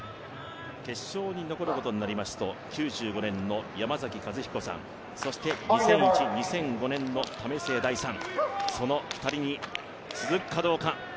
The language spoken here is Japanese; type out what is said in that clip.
決勝に残ることになりますと９５年の山崎一彦さんそして２００１、２００５年の為末大さん、その２人に続くかどうか。